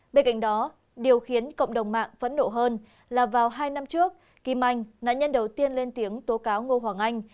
bên cạnh đó điều khiến cộng đồng mạng phẫn nộ hơn là vào hai năm trước kim anh nạn nhân đầu tiên lên tiếng tố cáo ngô hoàng anh